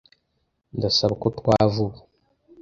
Ndasaba ko twava ubu, .